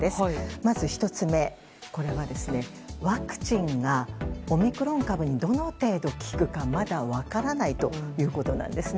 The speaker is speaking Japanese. まず１つ目、ワクチンがオミクロン株にどの程度、効くかまだ分からないということなんです。